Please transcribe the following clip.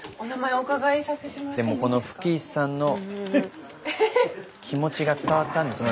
吹石さんの気持ちが伝わったんですね。